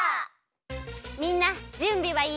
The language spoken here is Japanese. みんなじゅんびはいい？